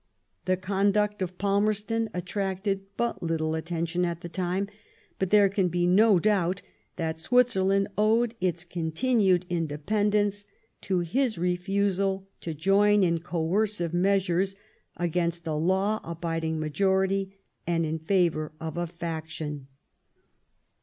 The conduct of Palmerston attracted but little attention at the time ; but there can be no doubt that Switzerland owed its continued independence to his refusal to join in coercive measures against a law abiding majority, and in favour of a faction.